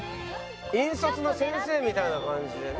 引率の先生みたいな感じでね。